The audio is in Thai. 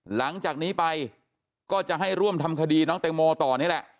หลังจากนี้ไปก็จะให้ร่วมทำคดีน้องแตงโมต่อนี่แหละ